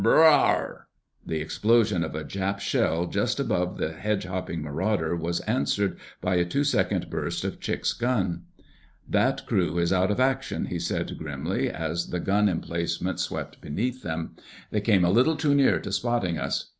BRRRRRRRRRR! The explosion of a Jap shell just above the hedgehopping Marauder was answered by a two second burst of Chick's gun. "That crew is out of action," he said grimly as the gun emplacement swept beneath him. "They came a little too near to spotting us.